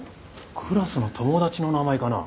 クラスの友達の名前かな？